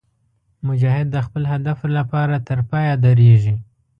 مجاهد د خپل هدف لپاره تر پایه درېږي.